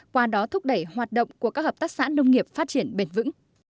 qua đó thúc đẩy hoạt động của các hợp tác xã nông nghiệp phát triển bền vững